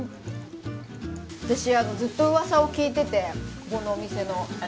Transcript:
私、ずっと噂を聞いていてこのお店の。